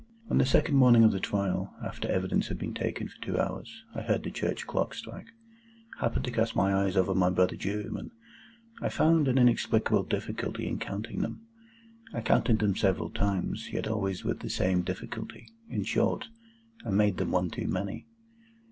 On the second morning of the trial, after evidence had been taken for two hours (I heard the church clocks strike), happening to cast my eyes over my brother jurymen, I found an inexplicable difficulty in counting them. I counted them several times, yet always with the same difficulty. In short, I made them one too many.